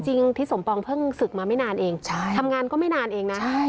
ทิศสมปองเพิ่งศึกมาไม่นานเองทำงานก็ไม่นานเองนะ